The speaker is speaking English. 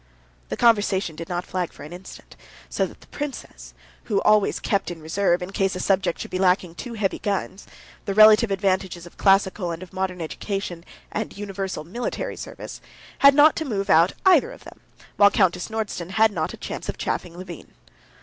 The conversation did not flag for an instant, so that the princess, who always kept in reserve, in case a subject should be lacking, two heavy guns—the relative advantages of classical and of modern education, and universal military service—had not to move out either of them, while Countess Nordston had not a chance of chaffing Levin.